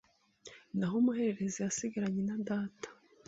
naho umuhererezi yasigaranye na data